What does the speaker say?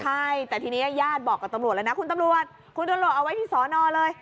ใช่แต่ทีนี้ญาติบอกกับตำรวจแล้วนะคุณตำรวจคุณตำรวจเอาไว้ที่สอนอเลย